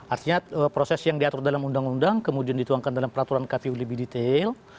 artinya proses yang diatur dalam undang undang kemudian dituangkan dalam peraturan kpu lebih detail